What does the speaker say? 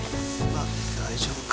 まあ大丈夫か。